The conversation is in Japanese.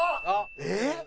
えっ！？